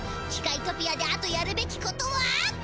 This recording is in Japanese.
キカイトピアであとやるべきことは！